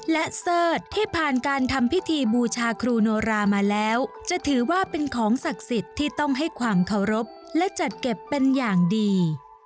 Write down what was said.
และเสิร์ธที่ผ่านการทำพิธีบูชาครูโนรามาแล้วจะถือว่าเป็นของศักดิ์สิทธิ์ที่ต้องให้ความเคารพและจัดเก็บเป็นอย่างดี